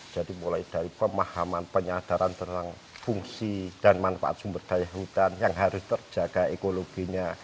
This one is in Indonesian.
jadi mulai dari pemahaman penyadaran tentang fungsi dan manfaat sumber daya hutan yang harus terjaga ekologinya